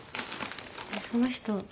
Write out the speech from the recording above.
その人